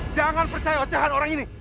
jangan percaya ocahan orang ini